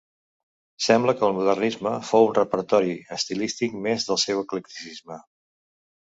Sembla que el modernisme fou un repertori estilístic més del seu eclecticisme.